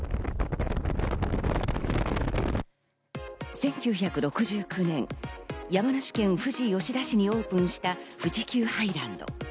１９６９年、山梨県富士吉田市にオープンした富士急ハイランド。